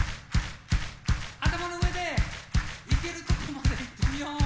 頭の上でいけるとこまでいってみよう！